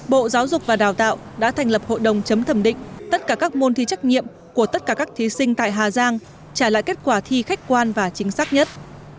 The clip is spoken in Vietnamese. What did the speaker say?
bộ giáo dục và đào tạo đã thành lập hội đồng chấm thẩm định tất cả các môn thi trách nhiệm của tất cả các thí sinh tại hà giang trả lại kết quả thi khách quan và chính xác nhất